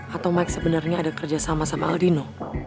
atau mike sebenarnya ada kerja sama sama aldino